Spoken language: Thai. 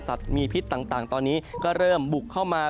มีพิษต่างตอนนี้ก็เริ่มบุกเข้ามา